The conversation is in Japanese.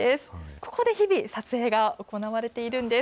ここで日々、撮影が行われているんです。